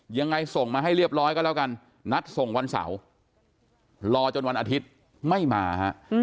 ยังไงส่งมาให้เรียบร้อยก็แล้วกันนัดส่งวันเสาร์รอจนวันอาทิตย์ไม่มาฮะ